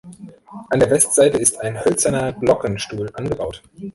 An der Westseite ist ein hölzerner Glockenstuhl angebaut.